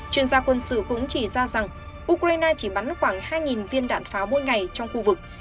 chuyên gia quân sự cũng chỉ ra rằng ukraine chỉ bắn khoảng hai viên đạn pháo mỗi ngày trong khu vực